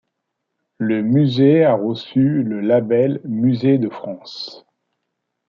Le musée a reçu le label musée de France.